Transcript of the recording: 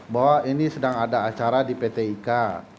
bahwa ini sedang ada acara di pt ika